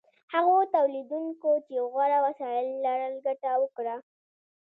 هغو تولیدونکو چې غوره وسایل لرل ګټه وکړه.